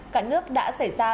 cả nước đã xảy ra